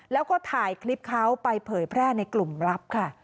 แล้วก็ถ่ายคลิปเขาไปเผยแพร่ในกลุ่มลับค่ะ